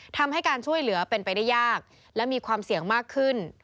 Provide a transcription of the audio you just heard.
ทำให้การช่วยเหลือเป็นไปได้ยากและมีความเสี่ยงมากขึ้น